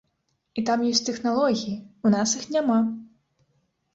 І там ёсць тэхналогіі, у нас іх няма.